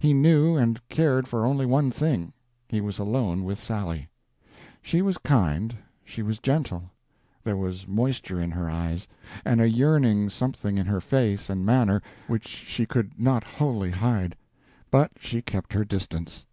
He knew and cared for only one thing—he was alone with Sally. She was kind, she was gentle, there was moisture in her eyes, and a yearning something in her face and manner which she could not wholly hide—but she kept her distance.